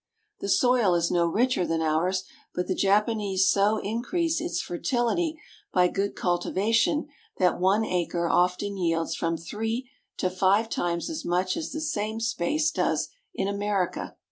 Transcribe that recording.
The soil is no richer than ours, but the Japanese so increase its fer tility by good cultivation that one acre often yields from three to five times as much as the same space does in America.